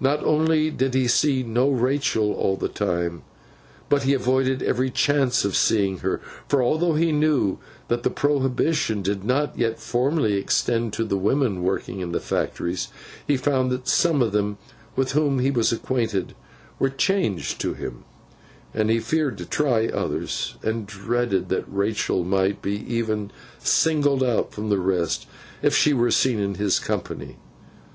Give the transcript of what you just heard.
Not only did he see no Rachael all the time, but he avoided every chance of seeing her; for, although he knew that the prohibition did not yet formally extend to the women working in the factories, he found that some of them with whom he was acquainted were changed to him, and he feared to try others, and dreaded that Rachael might be even singled out from the rest if she were seen in his company.